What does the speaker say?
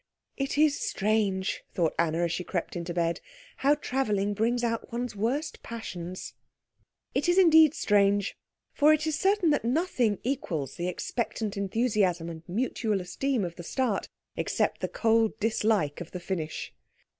"It is strange," thought Anna, as she crept into bed, "how travelling brings out one's worst passions." It is indeed strange; for it is certain that nothing equals the expectant enthusiasm and mutual esteem of the start except the cold dislike of the finish.